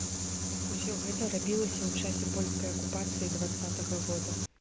Усё гэта рабілася ў часе польскай акупацыі дваццатага года.